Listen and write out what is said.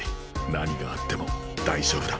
何があっても大丈夫だ。